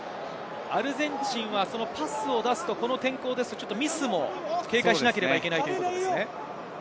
アルゼンチンはパスを出すと、この天候ですのでミスも警戒しなければいけないですね。